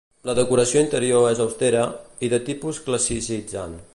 La decoració interior és austera i de tipus classicitzant.